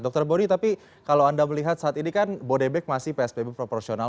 dr bodi tapi kalau anda melihat saat ini kan bodebek masih psbb proporsional